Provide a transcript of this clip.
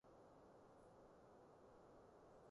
只是比起當時人